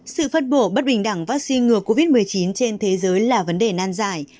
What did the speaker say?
sự phân bổ bất bình đẳng vaccine ngừa covid một mươi chín trên thế giới là vấn đề nan giải